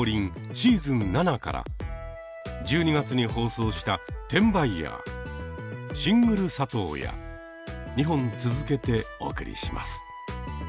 シーズン７から１２月に放送した「転売ヤー」「シングル里親」２本続けてお送りします。